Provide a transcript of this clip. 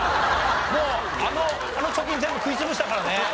もうあの貯金全部食い潰したからね。